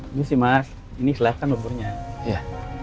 ini sih mas ini selatan lembunnya ya